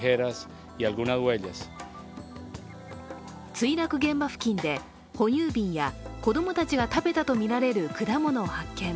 墜落現場付近で哺乳瓶や子供たちが食べたとみられる果物を発見。